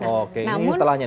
oke ini setelahnya nih